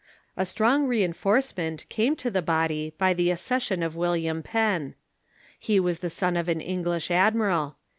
A strong reinforcement came to the body by the accession of Will iam Penn. He was the son of an English admiral.